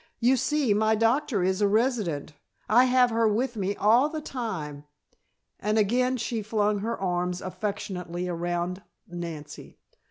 You see, my doctor is a resident. I have her with me all the time," and again she flung her arms affectionately around Nancy.